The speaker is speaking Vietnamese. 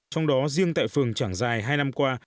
trong đó riêng tại phường trảng dài hai năm qua